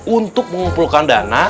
untuk mengumpulkan dana